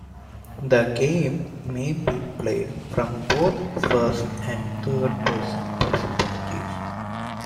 The game may be played from both first- and third-person perspectives.